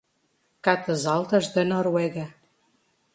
Catas Altas da Noruega